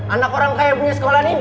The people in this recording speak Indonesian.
anak orang kaya punya sekolah nih